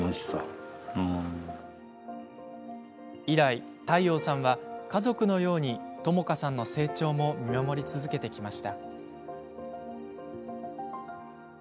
以来、諦應さんは家族のように朋佳さんの成長も見守り続けてきました。